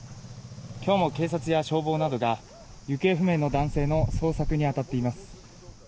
今日も警察や消防などが行方不明の男性の捜索に当たっています。